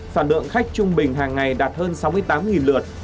sản lượng khách trung bình hàng ngày đạt hơn sáu mươi tám lượt